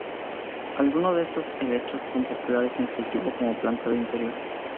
Algunos de estos helechos son populares en cultivo como planta de interior.